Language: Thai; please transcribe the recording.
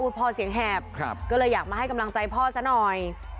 พ่อเสียงแหบก็เลยอยากมาให้กำลังใจพ่อซะหน่อย